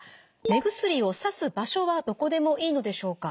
「目薬をさす場所はどこでもいいのでしょうか？